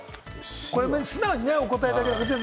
これは素直にお答えいただければ。